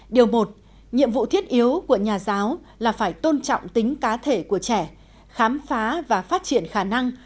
điều một nhiệm vụ thiết yếu của nhà giáo là phải tôn trọng tính cá thể của trẻ khám phá và phát triển khả năng